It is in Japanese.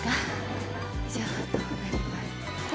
以上となります。